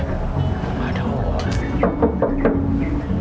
gak ada orang